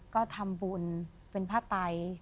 ก็ทำบุญเป็นพระไตร